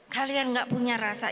kalian gak punya rasa